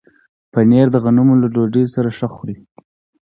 پنېر د غنمو له ډوډۍ سره ښه خوري.